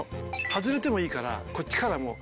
外れてもいいからこっちからもう。